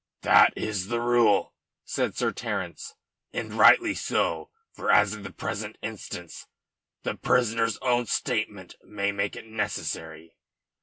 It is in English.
"That is the rule," said Sir Terence, "and rightly so, for, as in the present instance, the prisoner's own statement may make it necessary."